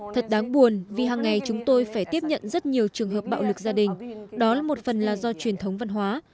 thật đáng buồn vì hàng ngày chúng tôi phải tiếp nhận rất nhiều trường hợp bạo lực gia đình đó là một phần là do truyền thống văn hóa